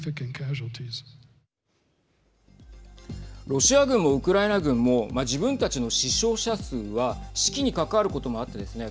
ロシア軍もウクライナ軍も自分たちの死傷者数は士気に関わることもあってですね